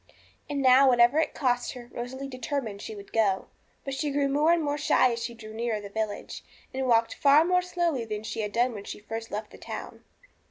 And now, whatever it cost her, Rosalie determined she would go. But she grew more and more shy as she drew nearer the village, and walked far more slowly than she had done when she first left the town.